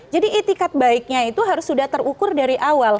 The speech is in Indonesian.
jadi itikat baiknya itu harus sudah terukur dari awal